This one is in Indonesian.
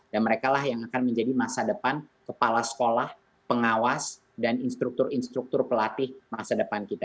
dan mereka yang akan menjadi masa depan kepala sekolah pengawas dan instruktur instruktur pelatih masa depan kita